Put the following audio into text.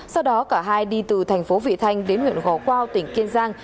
sau đó cả hai đi từ thành phố vị thanh đến huyện gò quao tỉnh kiên giang